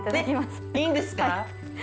えっ、いいんですか？